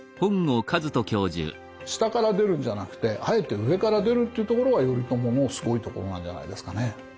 下から出るんじゃなくてあえて上から出るっていうところが頼朝のすごいところなんじゃないですかね。